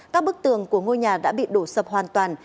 các bức tường của ngôi nhà đã bị đổ sập hoàn toàn